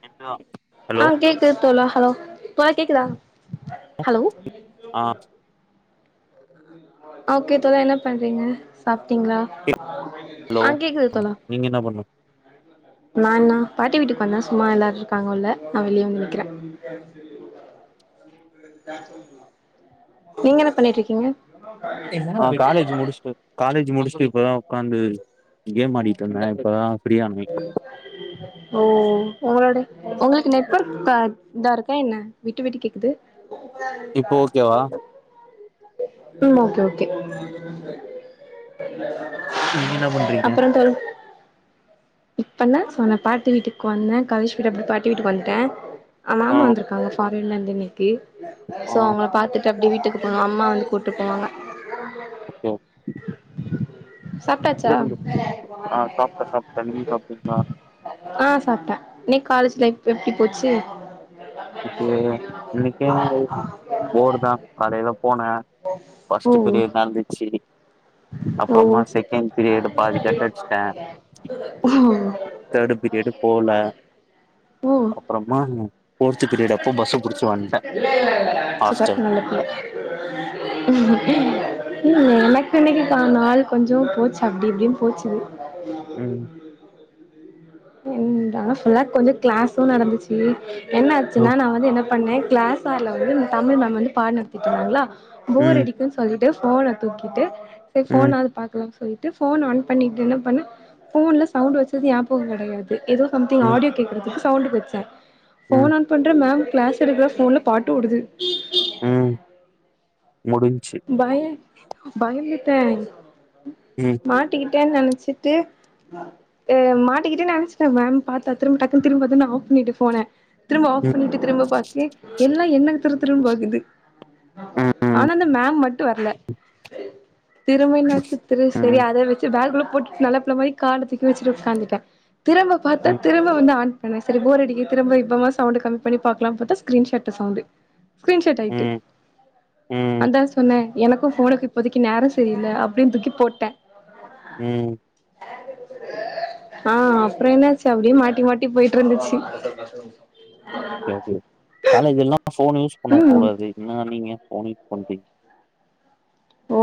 திட்டுவா hello ஆ கேக்குது தோழா ஹலோ தோழா கேக்குதா ஆ ஹலோ ம் ஆ ஓகே தோழா என்ன பண்றீங்க சாப்ட்டீங்ளா ஹலோ ஆ கேக்குது தோழா நீங்க என்ன பண்ண நானா பாட்டி வீட்டுக்கு பா சும்மா எல்லாரு இருக்காங்க உள்ள நா வெளிய வந்து நிக்கிறே நீங்க என்ன பண்ணிட்ருக்கீங்க ஆ காலேஜ் முடிச்ட்டு காலேஜ் முடிச்ட்டு இப்பதா ஒக்காந்து கேம் ஆடிட்ருந்தே இப்பதா ஃபிரீயா [unintelligible] ஒங்களோட ஒங்களுக்கு நெட்வொர்க் இதா இருக்கா என்ன விட்டு விட்டு கேக்குது இப்போ ஓகேவா [inaudible] [inaudible] நீங்கென்னா பண்றீங்க கரெண்டால இப்பதா சொன்ன பாட்டி வீட்டுக்கு வந்தே காலேஜ் விட் அப்டே பாட்டி வீட்டுக்கு வன்ட்டே மாமா ஆ வந்துருக்காங்க ஃபாரின்லந்து இன்னைக்கு சோ ஆ அவுங்கள பாத்துட்டு அப்டியே வீட்டுக்கு ஆ அம்மா வந்து கூட்டு போவாங்க ஓகே சாப்ட்டாச்சா ஆ சாப்ட்டே சாப்ட்டே நீங்க சாப்ட்டீங்களா ஆ சாப்ட்ட இன்னிக்கு காலேஜ் லைஃப் எப்டி போச்சு [unintelligible] இன்னிக்கு போர் தா காலைல போன ஓ பஸ்ட் பீரியடூ நடந்துச்சு ஓ அப்றமா செகண்ட் பீரியேட் பாதி கட்டடிச்ட்டே உ அப்றமா [unintelligible] ஹாஸ்டல் உம் ம் எனக்கு இன்னைக்குதா நாள் கொஞ்சோ போச்சு அப்டி இப்டின்னு போச்சு [unintelligible] ம் இன் டா ஃபுல்லா கொஞ்சோ கிளாஸும் நடந்துச்சு என்னாச்சுனா நா வந்து என்ன பண்ணே கிளாஸ் ஆர்ல வந்து தமிழ் மேம் வந்து பாட நடத்திட்டு இருந்தாங்களா போர் ம் அடிக்கும்ன்னு சொல் ட்டு ஃபோன தூக்கிட்டு செரி ம் ஃபோனாவது பாக்லா சொல்ட்டு போயிட்டு ஃபோன் ஆன் பண்ணிட்டு என்ன பண்ண போன்ல சவுண்ட் வெச்சது நியாபகோ கெடையாது எதோ சம்திங் ம் ஆடியோ கேட்கறதுக்கு சவுண்ட வச்சே ம், ஃபோன் ஆன் பண்ற மேம் கிளாஸ் எடுக்கிற ஃபோன்ல பாட்டு ஓடுது ம் முடிஞ்சு பய பயந்துட்டே ம், மாட்டிக்கிட்டனு நெனச்சிட்டு ஆ மாட்டிக்கிட்டேன்னு நினைச்சிட்டேன் மேம் பாத்தா திரும்பி டக்குன்னு திரும்பாத்தா நா ஆஃப் பண்ணிட்ட ஃபோன திரும்ப ஆஃப் ம், பண்ணிட்டு திரும்ப பாக்கே எல்லா என்ன திரு திருனு பாக்குது ம், ஆனா அந்த மேம் மட்டும் வரல திரும்ப நச்சு திரு சேரி ம், அத வச்சு பேக்குல போட்டு நல்லபுள்ள மாரி கால தூக்கி வச்சுட்டு உட்காந்துட்டேன் திரும்ப பார்த்தா ம், திரும்ப வந்து ஆன் சேரி போர் அடிக்கு திரும்ப இப்பமா சவுண்ட் கம்மி பண்ணி பாக்கலாம் பார்த்தா ஸ்கரீன்ஷாட்ல சவுண்ட் ஸ்கிரீன் ஷாட் ஆயிட்டு ம், ம், அந்த எனக்கும் ஃபோனுக்கு இப்போதைக்கு நேரம் செரியில்ல அப்படின்னு தூக்கி போட்டே உம் ஆஹ் அப்புறம் என்னாச்சு அப்படியே மாட்டி மாட்டி போயிட்டு இருந்துச்சு காலேஜ் எல்லா அப்போ ஃபோன் யூஸ் ம் பண்ணக்கூடாது. என்னா நீங்க ஃபோன் யூஸ் பண்டீங்க ஓ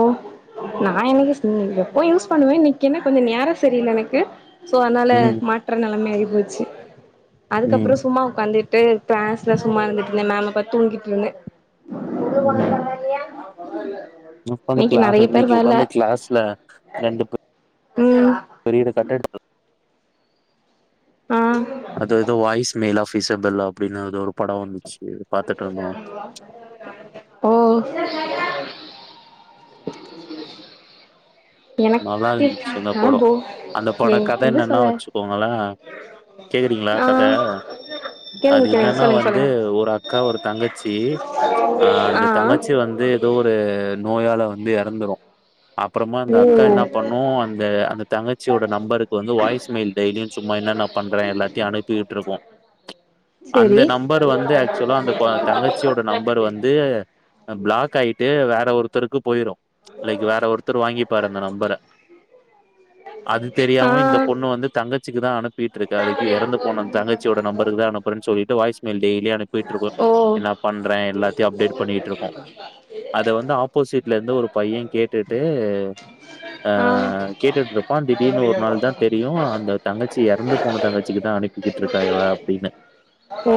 நா என்னைக்கு எப்போ யூஸ் பண்ணுவேன் இன்னிக்கு என்ன கொஞ்ச நேரம் செரியில்ல எனக்கு சோ அனால ம், மாட்ற நெலமி ஆய் போச்சு ம், அதுக்கப்றோ சும்மா உங்காந்து எப் டே க்ளாஸ்ல சும்மாருந்துட்டு மேம பாத் தூங்கிட்ருந்தே பரவாயில்லை உக்காந்து க்ளாஸ் இன்னிக்கி உக்காந்து க்ளாஸ்ல ரெண்டு ப் ம் ப்ரீடு கட்டடிக்ணு ஆ அது ஏதோ வாய்ஸ் மேய்ல் ஆஃப் ஸ்ஸபெல்லா அப்டின்னு‌ அது ஒரு படோ வந்துச் ஓ நல்லா எனக்கு இந்துச்சி அந்த ஆ படோ போ அந்த பட எங் கத எப்டி என்னன்னா சொல்ல வச்சுகோங்களே கேக்றீங்களா ஆ கத அது கேளுங்க கேளுங்க என்னன்னா சொல்லுங்க வந்து சொல்லுங்க ஒரு அக்கா ஒரு தங்கச்சி ஆ அந்த தங்கச்சி வந்து ஏதோ ஒரு நோயால வந்து இறந்துறு அப்றமா அந்த அக் அக்கா என்ன ஓ பண்ணு அந்த அந்த தங்கச்சியோட நம்பருக்கு வந்து வாய்ஸ் மெயில் டெய்லியு சும்மா என்னன்ன பண்றே எல்லாத்தயு அனுப் பீட்டுருக்கு அந்த செரி நம்பர் வந்து ஆக்சுவலா அந்த கொ தங்கச்சியோட நம்பர் வந்து ஆ பிளாக் ஆயிட்டு வேற ஒருத்தருக்கு போயிரு லைக் வேற ஒருத்தர் வாங்கிப் பார் அந்த நம்பர அது ஆ தெரியாம இந்த பொண்ணு வந்து தங்கச்சிக்கு தா அனுப்பீட்டுருக்கு அதுக்கு இறந்து போன தங்கச்சியோட நம்பருக்கு தா அனுப்புறே சொல்லீட்டு வாய்ஸ் மெய்ல் டெய்லி அனுப்பீட்டுருக்கு ஓ என்ன பண்றே எல்லாதயு அப்டேட் பண்ணீட்டுருக்கு அத வந்து ஆப்போசிட்ல இருந்து ஒரு பைய கேட்டுட்டு ஆ கேட்டுட்டுருப்பா திடீர்னு ஒரு நாள் தா தெரியு அந்த தங்கச்சி இறந்து போன தங்கச்சிக்கு தா அனுப்பிக்கிட்ருக்கா இவ அப்டின்னு ஓ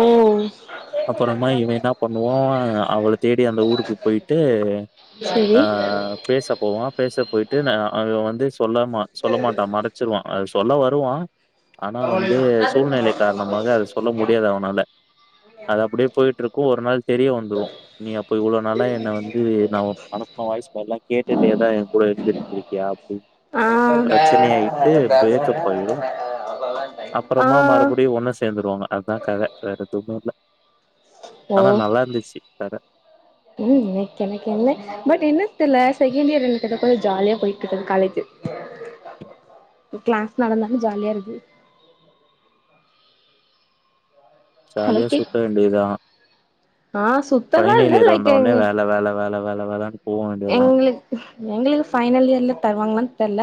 அப்பறமா இவே என்ன பண்ணுவா அவள தேடி அந்த ஊருக்கு போய்ட்டு செரி ஆ பேசப்போவா பேச போயிட்டு நா அது வந்து சொல்லாமா சொல்ல மாட்டா மறச்சிருவா அது சொல்ல வருவா ஆனா வந்து ஆ சூழ்நிலை காரணமாக அத சொல்ல முடியாது அவனால அது அப்டியே போயிட்ருக்கு ஒரு நாள் தெரிய வந்துரு நீ அப்போ இவ்ளோ நாள என்ன வந்து நா ஒ அனுப் ஒ வாய்ஸ் மெய்லா கேட்டுடே தா இருந்துட்ரிக்கியா அப்டின் ஆ பிரச்சனையாயிட்டு ப்ரேக்கப் ஆயிடு அப்பறமா மறுபடியு ஒண்ணு சேந்துருவாங்க அதா கத வேற எதுமே இல்ல ஓ ஆனா நல்லா இருந்துச்சி வேற ம் எனக் எனக் என்ன பட் என்ன தெர்ல செகேண்ட் இயர் எனக்கெதுக்கோ ஜாலியா போயிட்ருக்து காலேஜு கிளாஸ் நடந்தாலு ஜாலியா இருக்கு ஹலோ ஜாலியா கேக் சுத்த வேண்டியதா ஆ சுத்தலா ஃபைனல் இல்ல இயர் வந்த ஒன்னே வேல வேல வேல வேல வேலன்னு போ வேண்டியதா எங்களுக் எங்களுக்கு ஃபைனல் இயர்ல தருவாங்களான்னு தெர்ல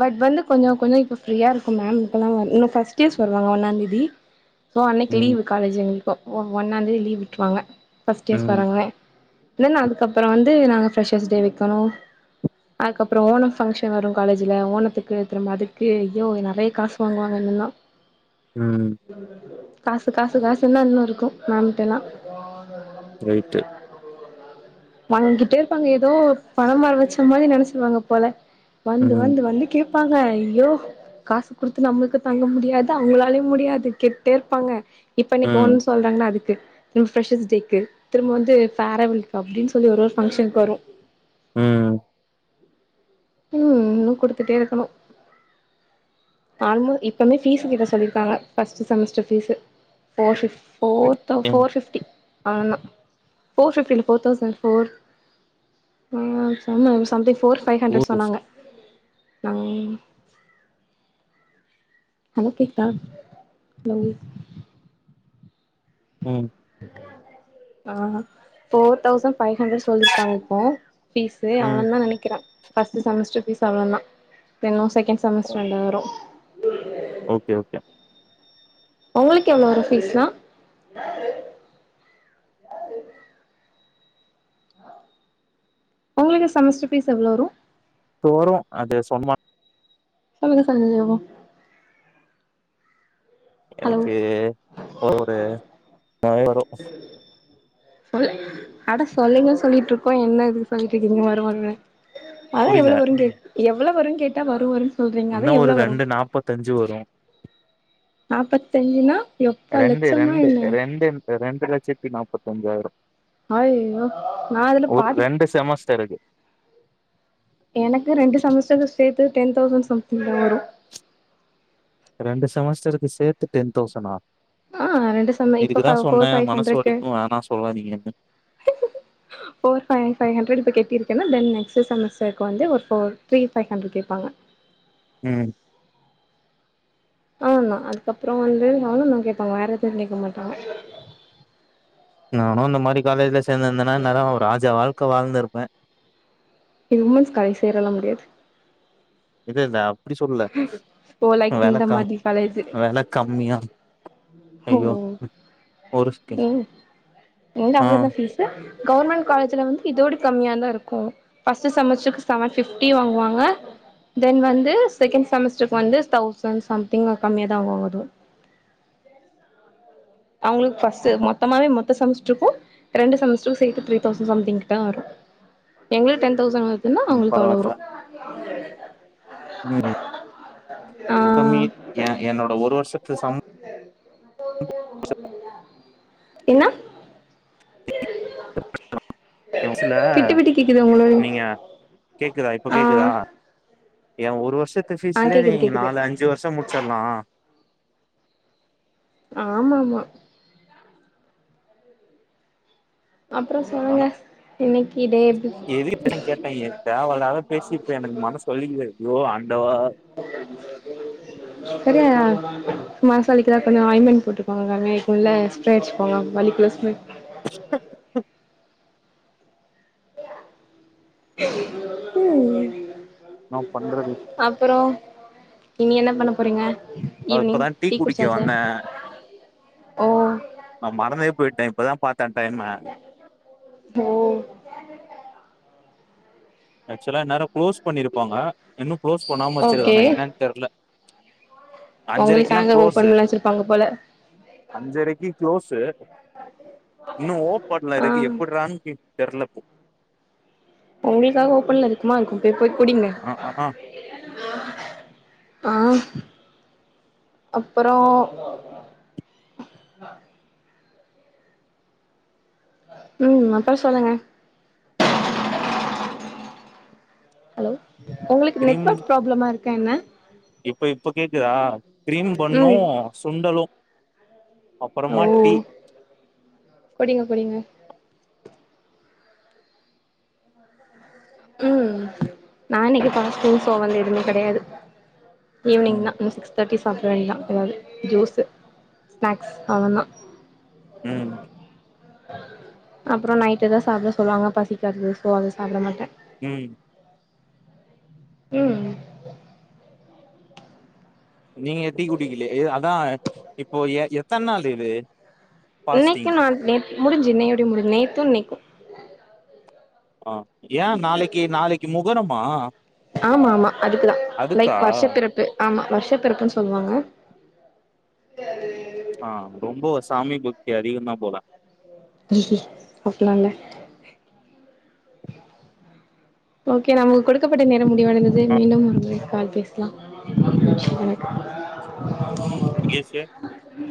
பட் வந்து கொஞ்சோ கொஞ்சோ இப்ப ஃப்ரீயா இருக்கு மேம் இப்பலா வந் இன்னு ஃபர்ஸ்ட் இயர்ஸ் வர்றாங்க ஒன்னாந் தேதி சோ அன்னக்கி ம் லீவு காலேஜ் எங்களுக்கு ஒன்னாந் தேதி லீவ் விட்ருவாங்க ஃபர்ஸ்ட் இயர்ஸ் ம் வர்றாங்க இல்லன்னா அதுக்கப்பறோ வந்து நாங்க ஃப்ரெஷர்ஸ் டே வைக்கணு அதுகப்பறோ ஓணம் ப்ஃங்க்ஷன் வரு காலேஜ்ல ஓணத்துக்கு திரும்ப அதுக்கு அய்யோ நெறைய காசு வாங்குவாங்க எல்லா ம் காசு காசு காசு தா இன்னோ இருக்கு [unintelligible] ரைட்டு வாங்கிட்டே இருப்பாங்க எதோ பண மரோ வச்ச மாரி நெனச்சிருவாங்க போல வந்து ம் வந்து வந்து கேப்பாங்க ஐயோ காசு குடுத்து நம்ளுக் தாங்க முடியாது அவங்களாலயு முடியாது கேட்டே இருப்பாங்க இப்ப நீக் ம் ஒன் சொல்றாங்கன்னா அதுக் ஃப்ரெஷஸ் டேக்கு திரும்ப வந்து ஃபாரவெல்கு அப்டின்னு சொல்லி ஒரு ஒரு ஃபங்ஷனுக்கு வரு ம் ம் இன்னு குடுத்துட்டே இருக்கனு ஆல்மோ இப்பமே பீஸ் கட்ட சொல்லிருக்காங்க ஃபர்ஸ்ட்டு செமஸ்டர் பீஸு ஃபோர்தௌ எங்க ஃபோர் ஃபிப்டி ஆமா போர் ஃபிப்டி இல்ல four thousand four something four five hundred ஊரு சொன்னாங்க ஹலோ கேக்குதா ஹலோ ம் ஃபோர் தசன்ட் பைவ் ஹன்டர் சொல்லிருக்காங்க பீஸு அவே ம் தா நெனைக்கிறே ஃபர்ஸ்ட்டு செமஸ்டர் பீஸ் அவ்ளோ தா இன்னு செகண்ட் செமஸ்ர் ரெண்டு வரு ஓகே ஓகே ஒங்ளுக்கு எவ்ளோ வரு ஃபீஸ்லா ஒங்ளுக்கு செமஸ்டர் பீஸ் எவ்ளோ வரு தோறு அது சொன்னா சொல்லுங்க சொல்லுங்க எனக்கு ஒரு பை மோரோ சொல்ல அட சொல்லுங்கன்னு சொல்லிட்டு இருக்கோம் என்ன இது சொல்லிட்டு இருக்கீங்க வரும் வருமனு அதா புரில எவ்ளோ வருன கேட் எவ்ளோ வருனு கேட்டா வரு வரு சொல்றீங்க அதா இன்னோ ஒரு எவ்ளோ ரெண்டு நாப்பத்தஞ்சு வரு நாப்பத்தஞ்சுனா எப்ப ரெண்டு லட்சமா ரெண்டு என்ன ரெண்டு ரெண்டு லட்சத்தி நாபத்தஞ்சாயிரோ அய்யய்யோ நா அதுல ஒரு பாதிக் ரெண்டு செமஸ்டரு இது எனக்கு ரெண்டு செமஸ்டர் சேர்த்து டென் தவுசண்ட் சம்திங் தா வரு ரெண்டு செமஸ்டருக்கு சேத்து டென் தவுசனா ஆ ரெண்டு செம இப்ப ஃப இதுக்குதா ஃபோர் சொன்னே ஃபைவ் மனசு ஹண்ட்ரட்க்கு வலிக்கு வேணா சொல்லாதீங்கன்னு four by five five hundred இப்ப கட்டி தென் நெக்ஸ்ட்டு செமஸ்டர்க்கு வந்து ஒரு ஃபோர் த்ரீ பைவ் ஹண்ட்ரட் கேட்பாங்க ம் அவ்ளோதா அதுக்கப்றோ வந்து அவ்ளோ தா கேப்பாங்க வேற எது கேக்க மாட்டாங்க நானு அந்த மாரி காலேஜ்ல சேந்துருந்தனா இந்நேரோ ராஜா வாழ்க்க வாழ்ந்துருப்பே இனிமே காலேஜ்லா சேரலா முடியாது இதுதா அப்டி சொல்லல ஓ லைக் வெல இந்த கமா மாதிரி காலேஜு வெல கம்மியா ஓ ஐயோ ஒரு ம் இங்க ஆ அவ்ளோதா பீஸு கவுவர்மெண்ட் காலேஜ்ல வந்து இதோடு கம்மியா தா இருக்கு ஃபர்ஸ்டு செமஸ்டருக்கு செவன் பிப்டி வாங்குவாங்க தென் வந்து செகண்ட் செமஸ்டருக்கு வந்து தௌசண்ட் சம்திங் கம்மியா தா ஆகுது அவங்களுக்கு ஃபர்ஸ்ட்டு மொத்தமாவே மொத்த செமஸ்டருக்கு ரெண்டு செமஸ்டருக்கு சேத்து த்ரீ தௌசண்ட் சம்திங் தா வரு எங்ளுக்கு டென் தௌசண்ட் வருதுன்னா ம் அவுங்ளுக்கு அவ்ளோ பரவால்ல வரு ம் இவ்ளோ கம்மி என்னோட ஒரு வருஷ என்னா எ வசல விட்டு விட்டு கேக்குது உங்களோட நீங்க கேக்குதா இப்போ ஆ கேக்குதா ஏ ஒரு வருஷத்து ஃபேஸ் ஆ ல நீ கேக்குது கேக்குது நாலு அஞ்சு வருஷ முச்சிலா ஆமாமா அப்புற சொல்லுங்க மன இன்னைக்கு டேட் எதுக்கு இப்பெல்லா கேட்டே தேவயில்லாத பேசி இப்ப எனக்கு மனசு வலிக்குது ஐயோ ஆண்டவா சரியா மசாலக்கு தா கொஞ்ச ஆய்மண்ட் போட்டுக்காங்க இப்போ இல்ல ஸ்ப்ரேயிச்சுங்க வலிக்குள்ளஸ் அ ம் நா பண்றது நீங்க என்ன பண்ண போறீங்க நா ஈவினிங் இப்பதா டீ குடிக்க குடிச்சாச்சா வந்தே ஓ நா மறந்தே போய்ட்டே இப்பதா பாத்தே டைம்ம தோ ஆக்சுவலா இந்நேர க்ளோஸ் பண்ணி இருப்பாங்க இன்னு க்ளோஸ் பண்ணாம வச்சிருக்காங்க என்னானு தெரியல பொங்கலுகாக ஓபன்ல வச்சிருப்பாங்க போல அஞ்சரைக்கு க்ளோஸு இன்னு ஆ ஓப்படலருக்கு எப்ட்றான் கு தெர்லப்போ உங்களுக்காக ஓப்பன்ல இருக்குமா இருக்கும் க போய் குடிங்க ஆ ஆ ஆ ஆ அப்புறோ ம் அப்ற சொல்லுங்க ஹலோ உங்களுக்கு கிரீம் நெட்வொர்க் ப்ராப்ளமா இருக்க என்ன இப்ப இப்ப கேக்குதா கிரீம் பண்ணு ம் சுண்டலு ஓ அப்பறமா டீ குடிங்க குடிங்க உம் நா இன்னைக்கு [unintelligible] சோ வந்து எதுமே கெடையாது ஈவ்னிங் நா ம் சிக்ஸ் தேட்டிஸ் சாப்ட்ர வேண்டிதா ஏதாவது ஜூஷு ஸ்நாக்ஸ் அவ்ளோதா உம் அப்ற நைட்டுதா சாப்ட சொல்லுவாங்க பசிக்காது சோ அத சாப்ட மாட்டே உம் உம் நீங்க எத்தி குட்டிக்கிலே எ அதா இப்போ எ எத்தன் நாள் இது இன்னைக்கு பாஸ்டிங் நா நேத் முடிஞ்சு இன்னையோட முடி நேத்து இன்னைக்கு ஆ ஏ நாளைக்கி நாளைக்கு முகரமா ஆமா மா மா அதுக்குதா லைக் அதுக்கா வர்ஷ பிறப்பு ஆமா வர்ஷப் பிறப்புன் சொல்வாங்க ஆ ரொம்போ சாமி பக்தி அதிகந்தா போல அப்புல்லா இல்ல [inaudible] ஓகே நமக்கு கொடுக்கப்பட்ட நேரம் முடிவடைந்தது ஆ மீண்டும் ஒருமுறை கால் பேஸ்லா [inaudible] மகேஷ் [inaudible]